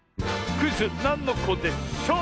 クイズ「なんのこでショー」！